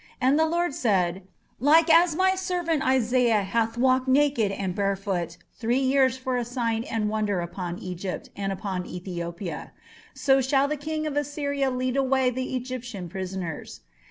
And the Lord said, Like as my servant Isaiah hath walked naked and barefoot three years for a sign and wonder upon Egypt and upon Ethiopia; so shall the king of Assyria lead away the Egyptians prisoners....